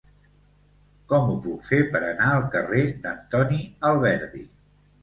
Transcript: Com ho puc fer per anar al carrer d'Antoni Alberdi?